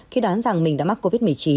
khi đoán rằng mình đã mắc covid một mươi chín